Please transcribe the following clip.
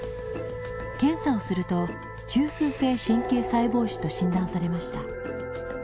検査をすると中枢性神経細胞腫と診断されました。